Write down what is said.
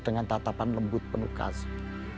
dengan tatapan lembut penuh kasih